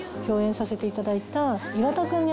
共演させていただいた。